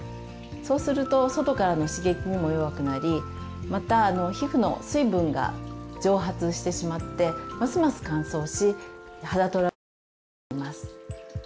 そうすると外からの刺激にも弱くなりまた皮膚の水分が蒸発してしまってますます乾燥し肌トラブルにつながります。